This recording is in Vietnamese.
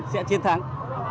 sẽ chiến thắng